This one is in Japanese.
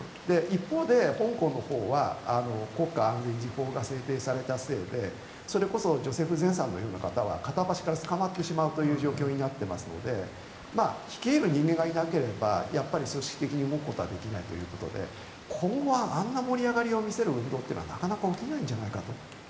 一方で香港は国家安全維持法が制定されたせいで、それこそジョセフ・ゼンのような方は片っ端から捕まってしまう状況になっていますので率いる人間がいなければ組織的に動くことはできないということで今後はあんな盛り上がりを見せる運動というのはなかなか起きないんじゃないかと。